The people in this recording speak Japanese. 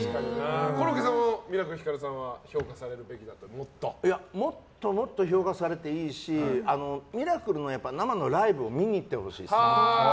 コロッケさんももっとミラクルひかるさんはもっともっと評価されていいしミラクルの生のライブを見に行ってほしいです。